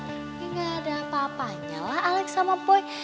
tapi gak ada apa apanya lah alex sama boy